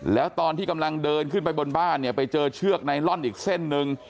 แล้วตอนที่กำลังเดินขึ้นไปบนบ้านเนี่ยไปเจอเชือกไนลอนอีกเส้นหนึ่ง